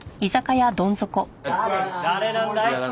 誰なんだい？